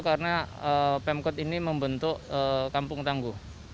karena pemkot ini membentuk kampung tangguh